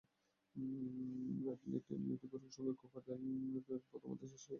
অ্যাটলেটিকোর সঙ্গে Copa del রের প্রথমার্ধ শেষ করে মাঠ ছেড়ে যাচ্ছিলেন রোনালদো।